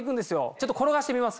ちょっと転がしてみます。